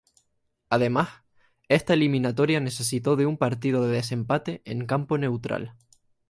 Además, esta eliminatoria necesitó de un partido de desempate en campo neutral.